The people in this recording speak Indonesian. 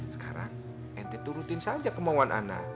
sekarang ente turutin saja kemauan ana